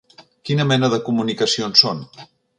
Quina mena de comunicacions són?